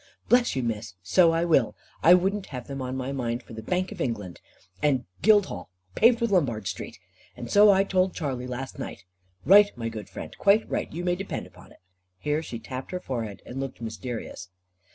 "Bless you, Miss, so I will. I wouldn't have them on my mind for the Bank of England, and Guildhall, paved with Lombard Street, and so I told Charley last night. Right, my good friend, quite right, you may depend upon it." Here she tapped her forehead, and looked mysterious.